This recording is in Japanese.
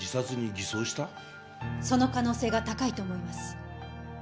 その可能性が高いと思います。